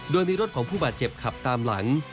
โดยมีรถของผู้บาดเจ็บขับตามหลัง